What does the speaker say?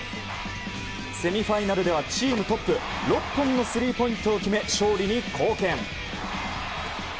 セミファイナルではチームトップ６本のスリーポイントを決め勝利に貢献。